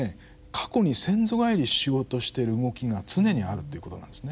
過去に先祖返りしようとしてる動きが常にあるっていうことなんですね。